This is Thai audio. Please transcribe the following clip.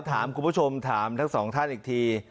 ถามคุณผู้ชมถามทั้งสองท่านอีกที